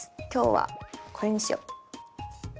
今日はこれにしよう。